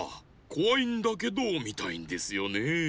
こわいんだけどみたいんですよねえ。